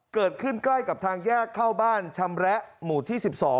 เกิดขึ้นใกล้กับทางแยกเข้าบ้านชำแระหมู่ที่๑๒